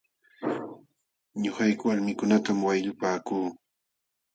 Ñuqayku walmiikunatam wayllupaaku.